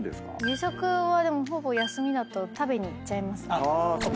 夕食はほぼ休みだと食べに行っちゃいますね。